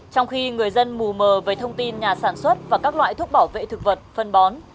trong khi người dân mù mờ với thông tin nhà sản xuất và các loại thuốc bảo vệ thực vật phân bó